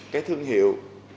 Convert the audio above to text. cái thương hiệu